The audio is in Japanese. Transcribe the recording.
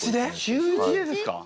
中１でですか！？